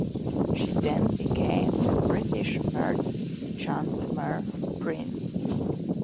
She then became the British merchantman "Price".